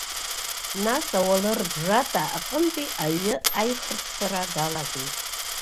Нас ауалыр бжата аҟынтәи аҩы аихырԥсара далагеит.